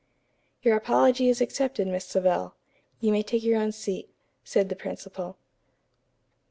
"Your apology is accepted, Miss Savell. You may take your own seat," said the principal.